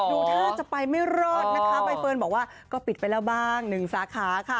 ดูท่าจะไปไม่รอดนะคะใบเฟิร์นบอกว่าก็ปิดไปแล้วบ้างหนึ่งสาขาค่ะ